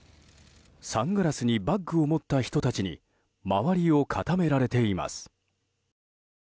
サングラスにバッグを持った人たちに周りを固められています。